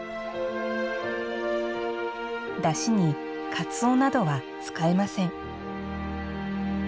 だしに、かつおなどは使えません。